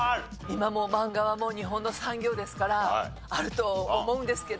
今もうマンガは日本の産業ですからあると思うんですけど。